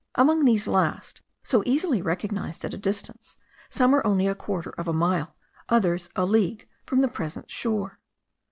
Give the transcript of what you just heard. Among these last, so easily recognised at a distance, some are only a quarter of a mile, others a league from the present shore.